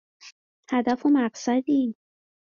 هدف و مقصدی